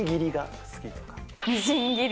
みじん切り。